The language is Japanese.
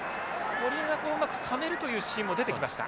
堀江がうまくためるというシーンも出てきました。